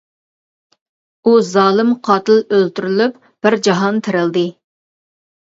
ئۇ زالىم قاتىل ئۆلتۈرۈلۈپ، بىر جاھان تىرىلدى.